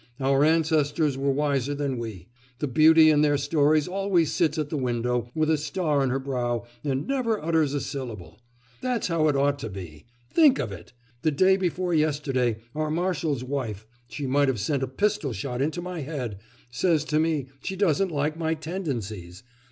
Our ancestors were wiser than we. The beauty in their stories always sits at the window with a star on her brow and never utters a syllable. That's how it ought to be. Think of it! the day before yesterday, our marshal's wife she might have sent a pistol shot into my head! says to me she doesn't like my tendencies!